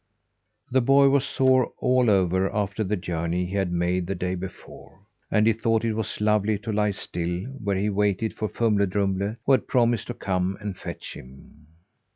The boy was sore all over after the journey he had made the day before, and he thought it was lovely to lie still while he waited for Fumle Drumle who had promised to come and fetch him.